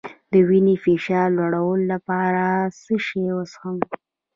د وینې فشار لوړولو لپاره څه شی وڅښم؟